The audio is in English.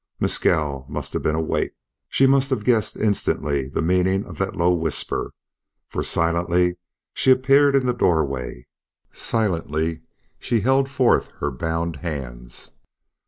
Mescal must have been awake; she must have guessed instantly the meaning of that low whisper, for silently she appeared in the doorway, silently she held forth her bound hands.